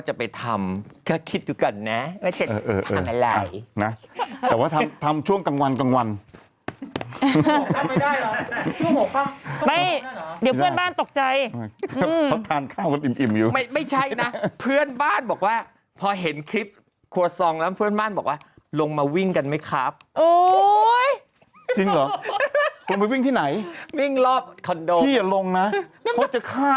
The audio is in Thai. ล่าสุดเหรอคุณแม่มันแล้วแต่อาหารพอล่าสุดเนี่ยเค้าส่งครัวซองมา